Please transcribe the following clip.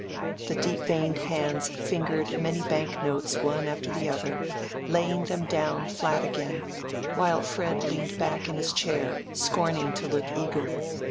The deep veined hands fingered many bank notes one after the other, laying them down flat again, while Fred leaned back in his chair, scorning to look eager.